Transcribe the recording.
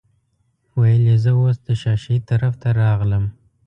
ویل یې زه اوس د شاه شهید طرف ته راغلم.